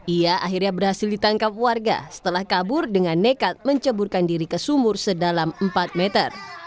ia akhirnya berhasil ditangkap warga setelah kabur dengan nekat menceburkan diri ke sumur sedalam empat meter